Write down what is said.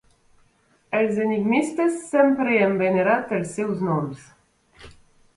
Els enigmistes sempre hem venerat els seus noms.